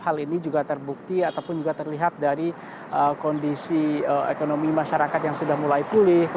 hal ini juga terbukti ataupun juga terlihat dari kondisi ekonomi masyarakat yang sudah mulai pulih